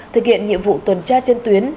thực hiện nhiệm vụ tuần tra trên tuyến